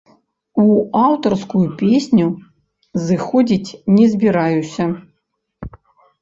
У аўтарскую песню зыходзіць не збіраюся.